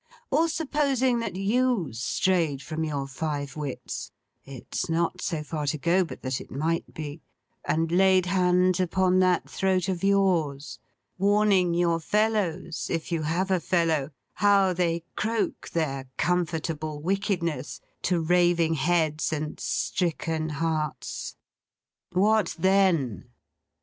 Or supposing that you strayed from your five wits—it's not so far to go, but that it might be—and laid hands upon that throat of yours, warning your fellows (if you have a fellow) how they croak their comfortable wickedness to raving heads and stricken hearts. What then?